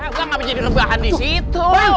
gak bisa di rebahan disitu